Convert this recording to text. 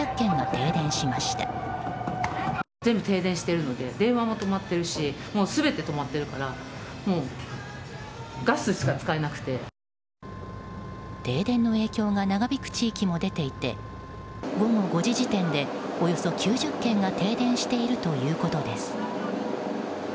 停電の影響が長引く地域も出ていて午後５時時点で、およそ９０軒が停電しているということです。